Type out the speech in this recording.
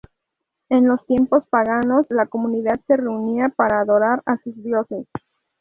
En los tiempos paganos, la comunidad se reunía para adorar a sus dioses.